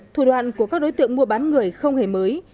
thủ đoạn của các đối tượng mua bán người không hề mới